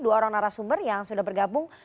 dua orang narasumber yang sudah bergabung